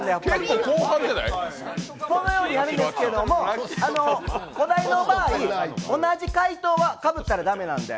このようにやるんですけども、お題の場合同じ回答はかぶったら駄目なんで。